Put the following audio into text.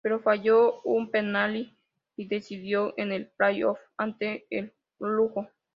Pero falló un penalti decisivo en el 'play off' ante el Lugo.